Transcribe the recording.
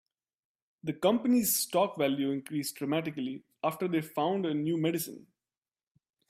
The company's stock value increased dramatically after they found a new medicine.